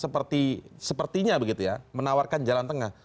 pak hock juga sepertinya menawarkan jalan tengah